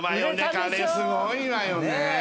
彼すごいわよね。